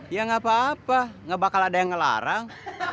ya gak apa apa gak bakal ada yang ngelarang